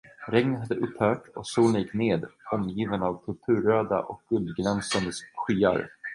Regnet hade upphört, och solen gick ned, omgiven av purpurröda och guldglänsande skyar.